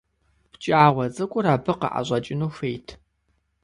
Пкӏауэ цӏыкӏур абы къыӏэщӏэкӏыну хуейт.